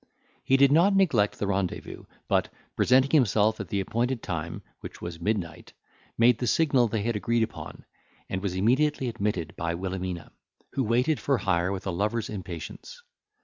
He did not neglect the rendezvous, but, presenting himself at the appointed time, which was midnight, made the signal they had agreed upon, and was immediately admitted by Wilhelmina, who waited for hire with a lover's impatience.